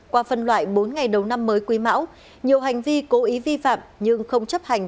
qua phân loại bốn ngày đầu năm mới quý mão nhiều hành vi cố ý vi phạm nhưng không chấp hành